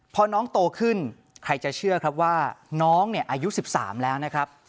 พอน้องโตขึ้นใครจะเชื่อครับว่าน้องเนี่ยอายุ๑๓แล้วนะครับ